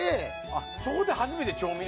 あっそこで初めて調味料。